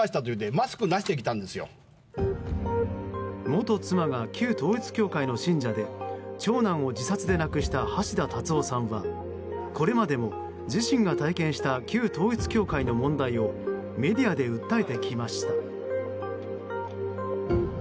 元妻が旧統一教会の信者で長男を自殺で亡くした橋田達夫さんはこれまでも自身が体験した旧統一教会の問題をメディアで訴えてきました。